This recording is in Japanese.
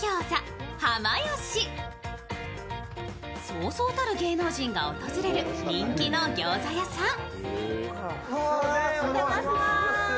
そうそうたる芸能人が訪れる人気のギョーザ屋さん。